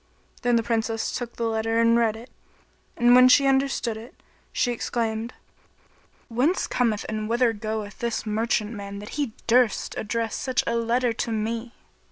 Then the Princess took the letter and read it; and when she understood it, she exclaimed, "Whence cometh and whither goeth this merchant man that he durst address such a letter to me?"